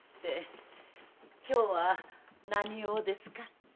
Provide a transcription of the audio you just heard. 今日は何用ですか？